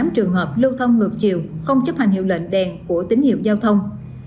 hai trăm ba mươi tám trường hợp lưu thông ngược chiều không chấp hành hiệu lệnh đèn của tín hiệu giao thông